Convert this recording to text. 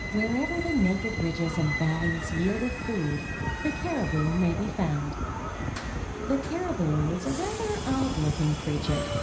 Wherever the naked ridges and valleys yield it food, the caribou may be found. The caribou is a rather odd looking creature.